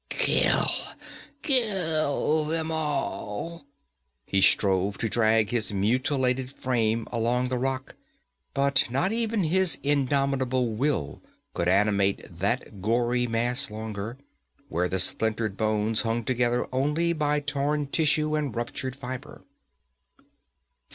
Kill kill them all!' He strove to drag his mutilated frame along the rock, but not even his indomitable will could animate that gory mass longer, where the splintered bones hung together only by torn tissue and ruptured fibre.